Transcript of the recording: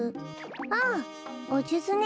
ああおじゅずね。